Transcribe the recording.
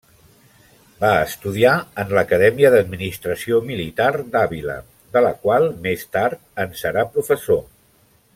Va estudiar en l'Acadèmia d'Administració Militar d'Àvila, de la qual més tard en serà professor.